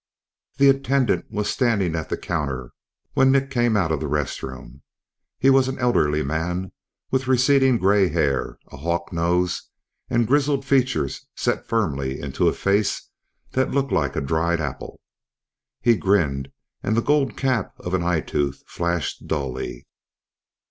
The attendant was standing at the counter when Nick came out of the restroom. He was an elderly man with receding grey hair, a hawk nose and grizzled features set firmly into a face that looked like a dried apple. He grinned and the gold cap on an eye tooth flashed dully.